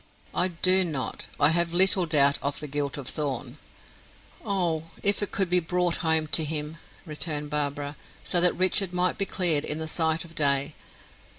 "I do not. I have little doubt of the guilt of Thorn." "Oh, if it could but be brought home to him!" returned Barbara, "so that Richard might be cleared in the sight of day.